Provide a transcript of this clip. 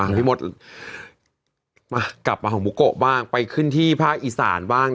พี่มดมากลับมาของบุโกะบ้างไปขึ้นที่ภาคอีสานบ้าง